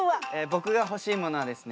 僕が欲しいものはですね